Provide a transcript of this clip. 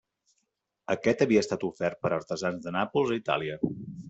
Aquest havia estat ofert per artesans de Nàpols a Itàlia.